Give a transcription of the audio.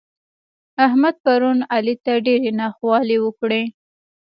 احمد پرون علي ته ډېرې ناخوالې وکړې.